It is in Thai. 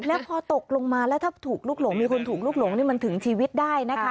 แล้วพอตกลงมาแล้วถ้าถูกลุกหลงมีคนถูกลุกหลงนี่มันถึงชีวิตได้นะคะ